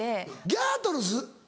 『ギャートルズ』？